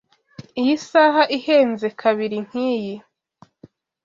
Iyi saha ihenze kabiri nkiyi.